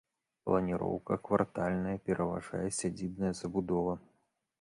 Планіроўка квартальная, пераважае сядзібная забудова.